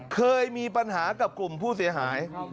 เคยมีปัญหากับกลุ่มผู้เสียหาย